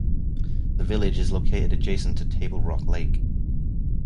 The village is located adjacent to Table Rock Lake.